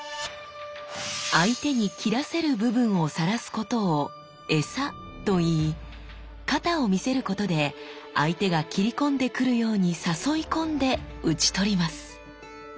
相手に斬らせる部分をさらすことを餌と言い肩を見せることで相手が斬り込んでくるように誘い込んで打ち取ります。